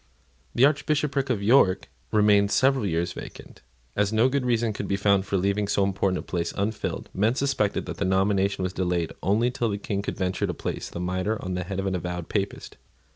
The Archbishopric of York remained several years vacant. As no good reason could be found for leaving so important a place unfilled, men suspected that the nomination was delayed only till the King could venture to place the mitre on the head of an avowed Papist.